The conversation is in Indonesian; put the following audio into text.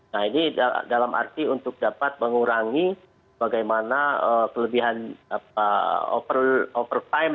nah ini dalam arti untuk dapat mengurangi bagaimana kelebihan over time